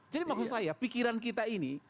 jadi maksud saya pikiran kita ini